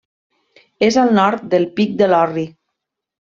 És al nord del Pic de l'Orri.